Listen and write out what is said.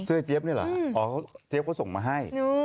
ไอเจี๊ยบนี่เหรออ๋อเจี๊ยบเขาส่งมาให้